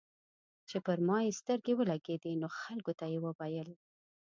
چې پر ما يې سترګې ولګېدې نو خلکو ته یې وويل.